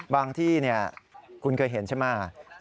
บางที่นี่คุณเคยเห็นใช่ไหม